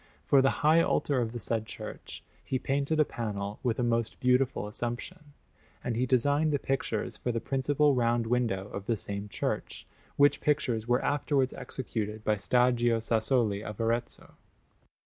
For the high altar of the said church he painted a panel with a most beautiful Assumption, and he designed the pictures for the principal round window of the same church; which pictures were afterwards executed by Stagio Sassoli of Arezzo.